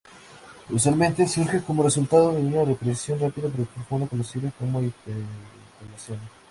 Usualmente surge como resultado de una respiración rápida o profunda, conocida como hiperventilación.